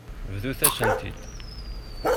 Bḍut-as-ten-id.